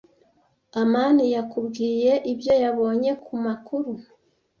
amani yakubwiye ibyo yabonye ku makuru?